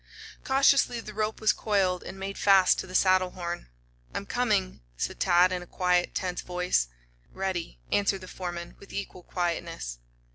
Cautiously the rope was coiled and made fast to the saddle horn. "I'm coming," said Tad in a quiet, tense voice. "Ready," answered the foreman, with equal quietness.